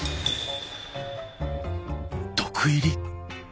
毒入り？